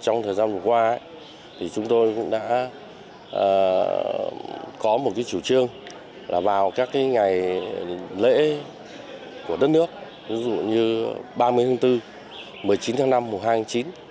trong thời gian vừa qua thì chúng tôi cũng đã có một chủ trương là vào các ngày lễ của đất nước ví dụ như ba mươi tháng bốn một mươi chín tháng năm mùa hai tháng chín